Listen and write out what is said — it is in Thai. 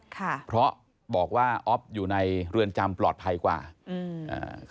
และก็จะรับความจริงของตัวเอง